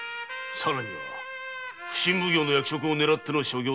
さらには普請奉行の役職を狙っての所業と知れておるぞ！